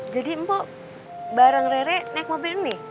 jadi mpok bareng rere naik mobil ini